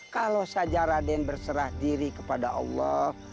kalau saja raden berserah diri kepada allah